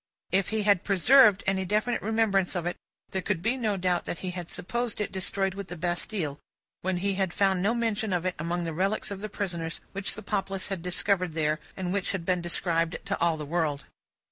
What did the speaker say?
If he had preserved any definite remembrance of it, there could be no doubt that he had supposed it destroyed with the Bastille, when he had found no mention of it among the relics of prisoners which the populace had discovered there, and which had been described to all the world.